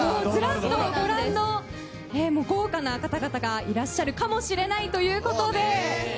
ご覧の豪華な方々がいらっしゃるかもしれないということで。